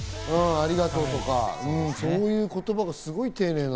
ありがとうとか、そういう言葉がすごい丁寧。